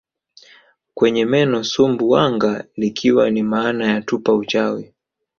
kwenye neno Sumbu wanga likiwa na maana ya tupa uchawi